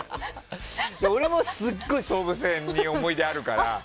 俺もすっごい総武線に思い出あるから。